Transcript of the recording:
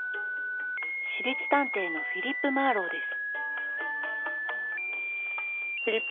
私立探偵のフィリップ・マーロウです。